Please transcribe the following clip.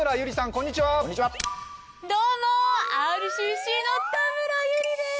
こんにちはどうもＲＣＣの田村友里です